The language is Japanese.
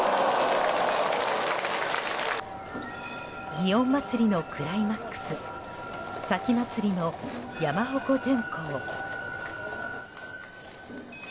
祇園祭のクライマックス前祭の山鉾巡行。